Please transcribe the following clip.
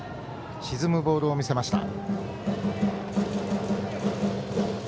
沈むボールを見せました。